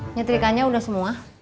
nyetrikannya udah semua